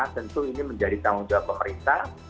tentu ini menjadi tanggung jawab pemerintah